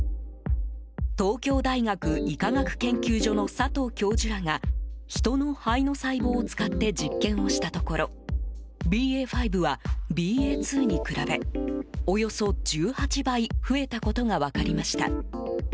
東京大学医科学研究所の佐藤教授らがヒトの肺の細胞を使って実験をしたところＢＡ．５はＢＡ．２に比べおよそ１８倍増えたことが分かりました。